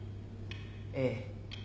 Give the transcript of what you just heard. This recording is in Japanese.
ええ。